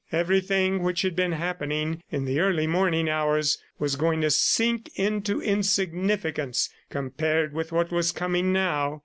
Everything which had been happening in the early morning hours was going to sink into insignificance compared with what was coming now.